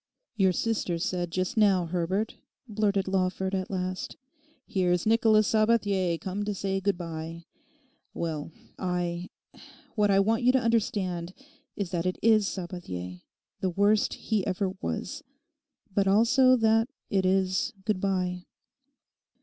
'Your sister said just now, Herbert,' blurted Lawford at last. '"Here's Nicholas Sabathier come to say good bye" well, I—what I want you to understand is that it is Sabathier, the worst he ever was; but also that it is "good bye."